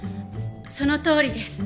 そのとおりです！